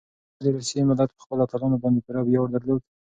ایا د روسیې ملت په خپلو اتلانو باندې پوره ویاړ درلود؟